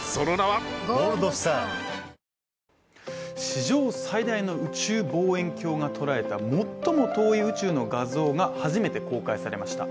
史上最大の宇宙望遠鏡が捉えた最も遠い宇宙の画像が初めて公開されました。